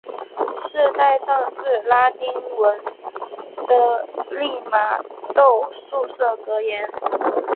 饰带上是拉丁文的利玛窦宿舍格言。